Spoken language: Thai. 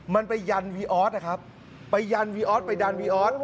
มันไปยันวีออทไปยันไปดันวีออท